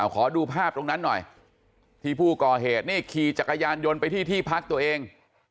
ขอดูภาพตรงนั้นหน่อยที่ผู้ก่อเหตุนี่ขี่จักรยานยนต์ไปที่ที่พักตัวเอง